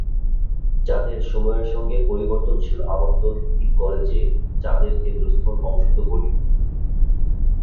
চাঁদের সময়ের সঙ্গে পরিবর্তনশীল আবর্তন ইঙ্গিত করে যে, চাঁদের কেন্দ্রস্থল অংশত গলিত।